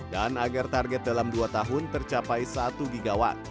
dan agar target dalam dua tahun tercapai satu gw